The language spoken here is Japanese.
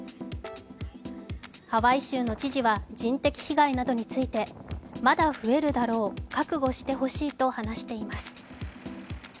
ハワイ州の知事は人的被害などについてまだ増えるだろう、覚悟してほしいと話しています。